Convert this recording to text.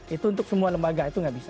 itu untuk semua lembaga itu nggak bisa